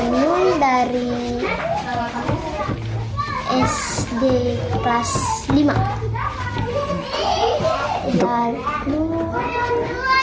minum dari sd kelas lima